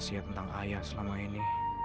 usia tentang ayah selama ini